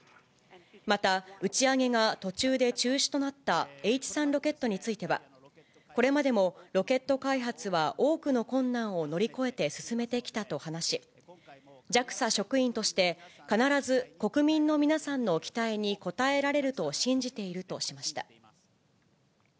また、打ち上げが途中で中止となったＨ３ロケットについては、これまでもロケット開発は多くの困難を乗り越えて進めてきたと話し、ＪＡＸＡ職員として、必ず国民の皆さんの期待に応えられると信じているとしました。